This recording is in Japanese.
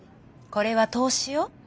これは投資よ。